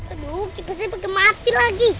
aduh kipasnya pake mati lagi